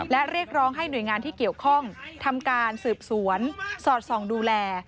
และเรียกร้องให้หน่วยงานที่เกี่ยวข้องทำการสืบสวนสอดส่องดูแล